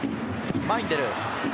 前に出る。